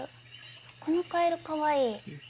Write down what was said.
このカエル、かわいい。